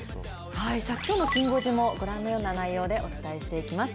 きょうのきん５時も、ご覧のような内容でお伝えしていきます。